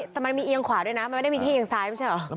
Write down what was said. แต่มันมีเอียงขวาด้วยนะมันไม่ได้มีที่เอียงซ้ายไม่ใช่เหรอ